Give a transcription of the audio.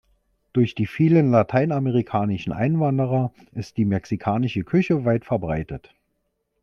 Durch die vielen lateinamerikanischen Einwanderer ist die mexikanische Küche weit verbreitet.